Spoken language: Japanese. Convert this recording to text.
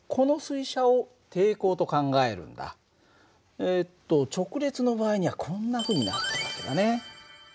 えっと直列の場合にはこんなふうになるって訳だね。